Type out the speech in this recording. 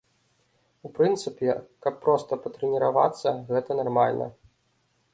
У прынцыпе, каб проста патрэніравацца, гэта нармальна.